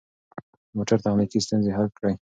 د موټر تخنیکي ستونزې حل کړئ.